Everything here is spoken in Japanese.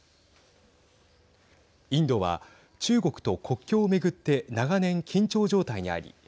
インドは中国と国境を巡って長年、緊張状態にあり